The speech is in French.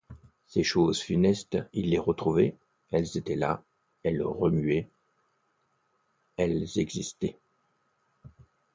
Ces choses funestes, il les retrouvait ; elles étaient là, elles remuaient, elles existaient.